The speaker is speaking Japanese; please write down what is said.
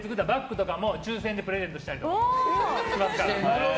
僕がミシンで作ったバッグとかも抽選でプレゼントしたりとかしますから。